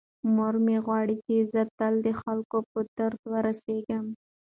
مور مې غواړي چې زه تل د خلکو په درد ورسیږم.